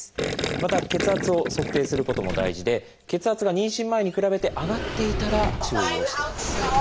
また血圧を測定することも大事で血圧が妊娠前に比べて上がっていたら注意をしてください。